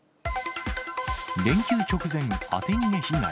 連休直前、当て逃げ被害。